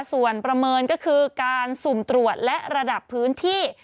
ส่วนประเมินก็คือการสุ่มตรวจและระดับพื้นที่